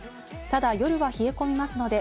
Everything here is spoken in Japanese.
ただ夜は冷え込みますので、